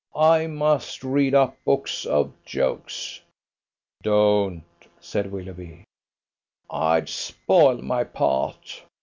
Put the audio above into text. I must read up books of jokes." "Don't," said Willoughby. "I'd spoil my part!